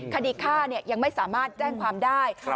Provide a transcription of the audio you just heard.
คดีฆ่ายังไม่สามารถแจ้งความได้